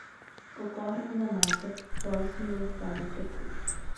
O córrego da mata, proximo da estrada, secou.